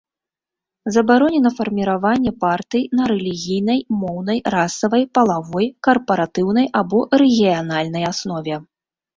Забаронена фарміраванне партый на рэлігійнай, моўнай, расавай, палавой, карпаратыўнай або рэгіянальнай аснове.